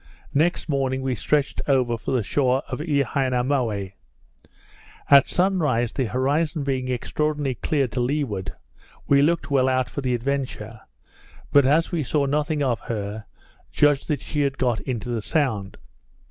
Next morning, we stretched over for the shore of Eaheinomauwe. At sun rise the horizon being extraordinarily clear to leeward, we looked well out for the Adventure; but as we saw nothing of her, judged she had got into the Sound.